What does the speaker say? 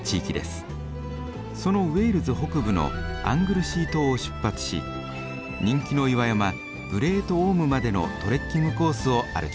そのウェールズ北部のアングルシー島を出発し人気の岩山グレートオームまでのトレッキングコースを歩きます。